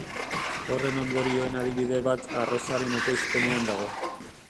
Horren ondorioen adibide bat arrozaren ekoizpenean dago.